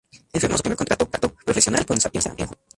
El firmó su primer contrato profesional con Saprissa en Julio.